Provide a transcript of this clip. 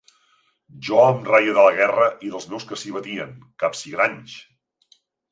Jo em reia de la guerra i dels meus que s'hi batien, capsigranys!